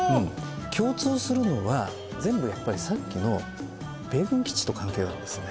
共通するのは全部さっきの米軍基地と関係あるんですね